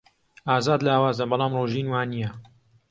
ئازاد لاوازە، بەڵام ڕۆژین وانییە.